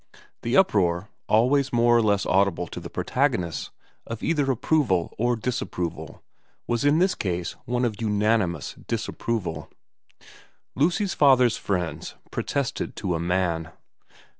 The uproar, always more or less audible to the protagonists, of either approval or disapproval, was in this case one of unanimous disapproval. Lucy's father's friends pro tested to a man.